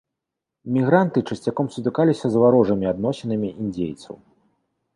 Мігранты часцяком сутыкаліся з варожымі адносінамі індзейцаў.